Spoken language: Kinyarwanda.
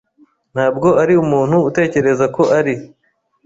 Ntabwo ari umuntu utekereza ko ari.